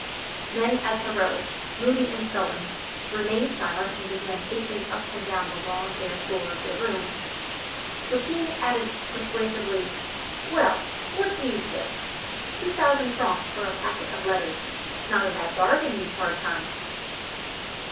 Then as Heriot, moody and sullen, remained silent and began pacing up and down the long, bare floor of the room, Lepine added persuasively, "Well! what do you say? Two thousand francs for a packet of letters not a bad bargain these hard times."